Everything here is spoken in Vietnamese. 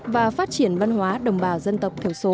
và phát triển văn hóa đồng bào dân tộc thiểu số